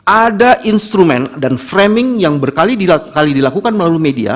ada instrumen dan framing yang berkali kali dilakukan melalui media